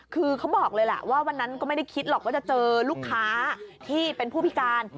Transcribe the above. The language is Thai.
คือเขาบอกเลยแหละว่าวันนั้นก็ไม่ได้คิดหรอกว่าจะเจอลูกค้าที่เป็นผู้พิการ